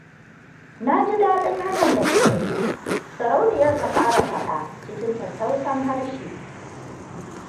Na ji daɗin hakan da kuka yi, sarauniyar ta ƙara faɗa, cikin tattausan harshe.